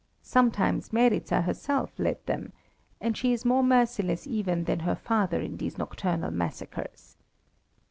Sometimes Meryza herself led them, and she is more merciless even than her father in these nocturnal massacres.